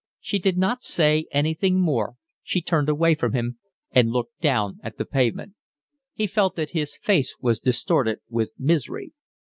She did not say anything more, she turned away from him, and looked down at the pavement. He felt that his face was distorted with misery.